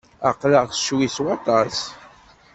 Aql-aɣ ccwi s waṭas.